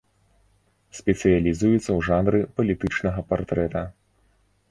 Спецыялізуецца ў жанры палітычнага партрэта.